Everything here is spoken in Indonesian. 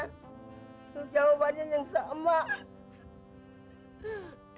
udah pasti ngeselin perintah sama maminya